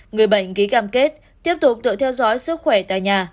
người bệnh ký cam kết tiếp tục tự theo dõi sức khỏe tại nhà